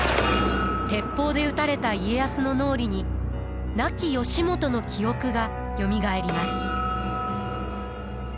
鉄砲で撃たれた家康の脳裏に亡き義元の記憶がよみがえります。